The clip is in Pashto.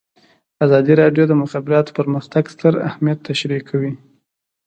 ازادي راډیو د د مخابراتو پرمختګ ستر اهميت تشریح کړی.